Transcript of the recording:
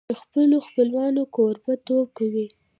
د خپلو خپلوانو کوربهتوب کوي.